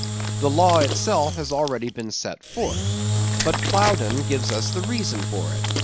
The law itself has already been set forth. But Plowdon gives us the reason for it.